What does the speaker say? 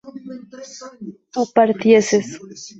tú partieses